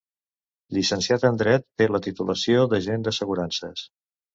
Llicenciat en dret, té la titulació d'agent d'assegurances.